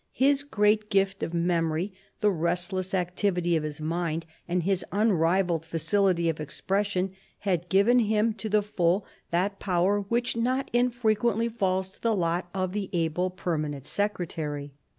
His great gift of memory, the restless activity of his mind, and his unrivalled facility of expression had given him to the full that power which not infrequently falls to the lot of the able permanent secretary.